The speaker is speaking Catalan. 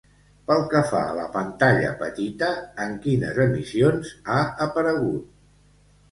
Pel que fa a la pantalla petita, en quines emissions ha aparegut?